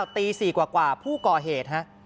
ตี๔กว่าผู้ก่อเหตุฮะ